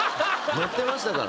載ってましたから。